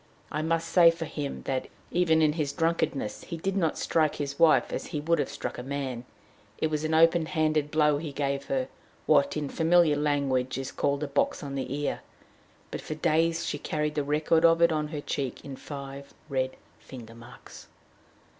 I must say for him that, even in his drunkenness, he did not strike his wife as he would have struck a man; it was an open handed blow he gave her, what, in familiar language, is called a box on the ear, but for days she carried the record of it on her cheek in five red finger marks.